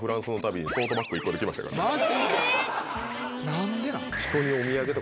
何でなん？